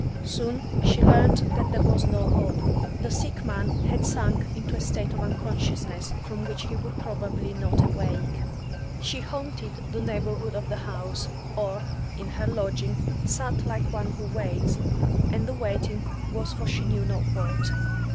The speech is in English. Soon, she learnt that there was no hope; the sick man had sunk into a state of unconsciousness from which he would probably not awake. She haunted the neighbourhood of the house, or, in her lodging, sat like one who waits, and the waiting was for she knew not what.